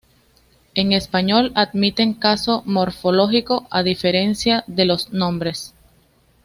En español admiten caso morfológico, a diferencia de los nombres.